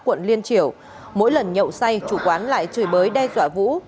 quận liên triều mỗi lần nhậu say chủ quán lại chửi bới đe dọa vũ